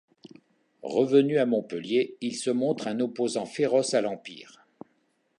Revenu à Montpellier, il se montre un opposant féroce à l'Empire.